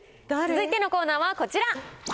続いてのコーナーはこちら。